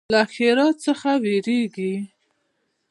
له ښرا څخه ویریږي.